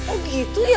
oh gitu ya